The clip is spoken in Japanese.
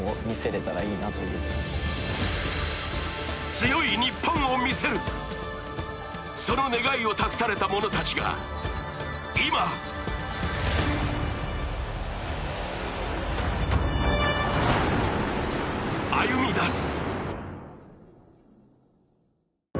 強い日本を見せる、その願いを託された者たちが今歩み出す。